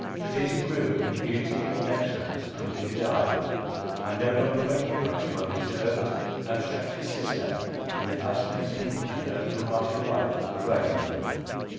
Perdita grew in beauty and excellence under his eye; I no longer recognised my reserved abstracted sister in the fascinating and open hearted wife of Raymond.